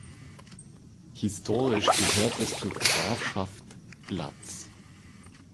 Historisch gehörte es zur Grafschaft Glatz.